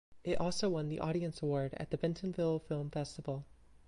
It also won the Audience Award at the Bentonville Film Festival.